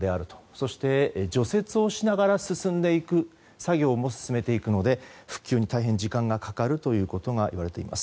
そして、除雪をしながら進んでいく作業も進めていくので復旧に大変時間がかかるといわれています。